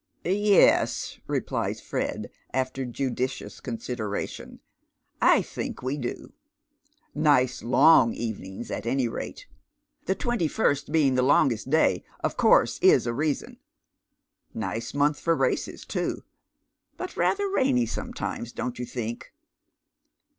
" Ye es," replies Fred, after judicious consideration. " I think we do. Nice long evenings, at any rate. The twenty first being the longest day, of course, is a reason. Nice month for races, too ; but rather rainy sometimes, don't you think?